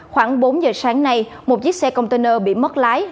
khoảng bốn giờ sáng nay một chiếc xe container bị mất lái